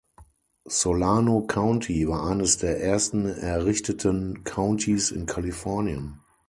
Solano County war eines der ersten errichteten Countys in Kalifornien.